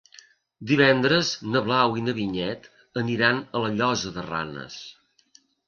Divendres na Blau i na Vinyet aniran a la Llosa de Ranes.